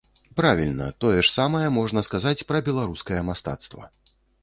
Правільна, тое ж самае можна сказаць пра беларускае мастацтва.